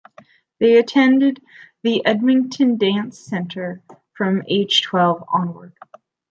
They attended the Edmonton Dance Centre from age twelve onward.